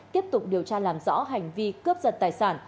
tiếp tục điều tra làm rõ hành vi cướp giật tài sản